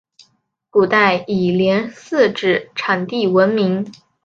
古代以连四纸产地闻名。